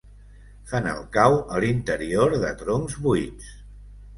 Fan el cau a l'interior de troncs buits.